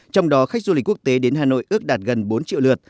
trong đó khách du lịch quốc tế đến hà nội ước đạt gần bốn triệu lượt